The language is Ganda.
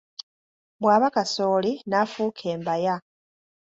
Bw’aba Kasooli n’afuuka Embaya.